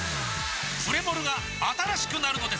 プレモルが新しくなるのです！